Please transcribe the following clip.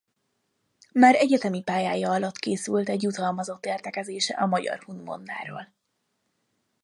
Már egyetemi pályája alatt készült egy jutalmazott értekezése a magyar-hun mondáról.